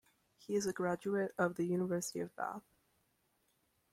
He is a graduate of the University of Bath.